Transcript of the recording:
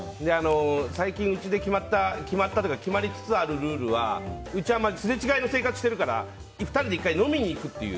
最近うちで決まりつつあるルールはうちはすれ違いの生活してるから２人で１回飲みに行くっていう。